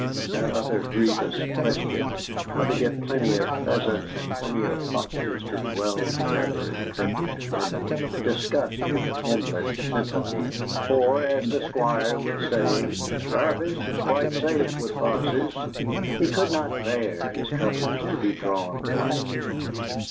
And that other grievous question how to get plenty of pheasants and plenty of foxes to dwell together in perfect harmony discussed with endless sympathy, for, as the Squire would say, "Jarvis is quite safe with foxes." He could not bear his covers to be drawn blank.